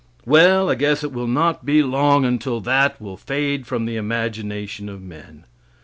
Well, I guess it will not be long until that will fade from the imagination of men.